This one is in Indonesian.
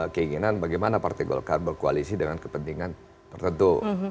keinginan bagaimana partai golkar berkoalisi dengan kepentingan tertentu